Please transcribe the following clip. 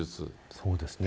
そうですね。